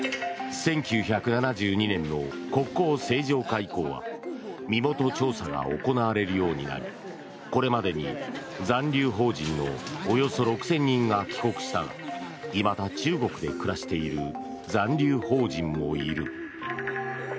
１９７２年の国交正常化以降は身元調査が行われるようになりこれまでに残留邦人のおよそ６０００人が帰国したがいまだ中国で暮らしている残留邦人もいる。